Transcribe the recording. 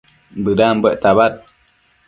bëdambuec tabad